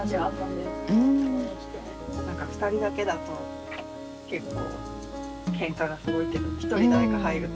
何か２人だけだと結構けんかがすごいけど一人誰か入ると。